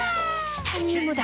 チタニウムだ！